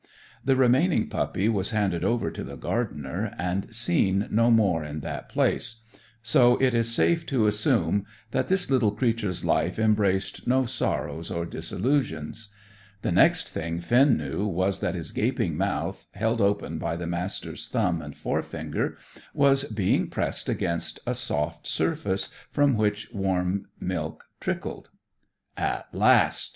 The remaining puppy was handed over to the gardener and seen no more in that place; so it is safe to assume that this little creature's life embraced no sorrows or disillusions. The next thing Finn knew was that his gaping mouth, held open by the Master's thumb and forefinger, was being pressed against a soft surface from which warm milk trickled. "At last!"